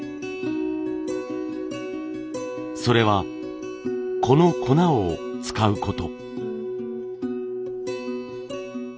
それはこの粉を使うこと。